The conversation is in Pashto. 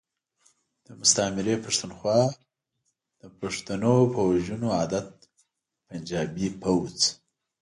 د مستعمرې پختونخوا د پښتنو په وژنو عادت پنجابی فوځ.